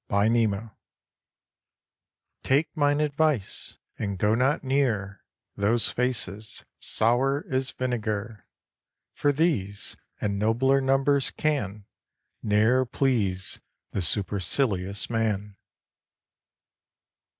5. TO HIS BOOK Take mine advice, and go not near Those faces, sour as vinegar; For these, and nobler numbers, can Ne'er please the supercilious man.